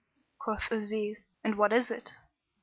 Quoth Aziz, "And what is it?"